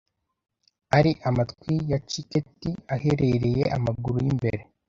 Ari amatwi ya ciketi aherereye amaguru yimbere